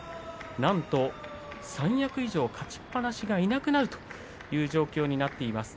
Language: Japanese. なんと三役以上勝ちっぱなしがいなくなるという状況になっています。